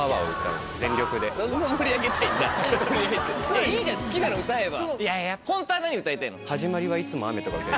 いやいいじゃん好きなの歌えば。